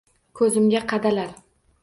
Ko’zimga qadalar —